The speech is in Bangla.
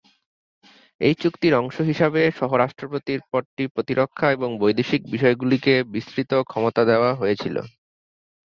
এই চুক্তির অংশ হিসাবে, সহ-রাষ্ট্রপতির পদটি প্রতিরক্ষা এবং বৈদেশিক বিষয়গুলিকে বিস্তৃত ক্ষমতা দেওয়া হয়েছিল।